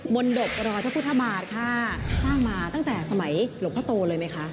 นดรอยพระพุทธบาทค่ะสร้างมาตั้งแต่สมัยหลวงพ่อโตเลยไหมคะ